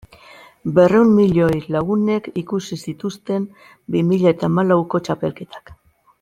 Berrehun milioi lagunek ikusi zituzten bi mila eta hamalauko txapelketak.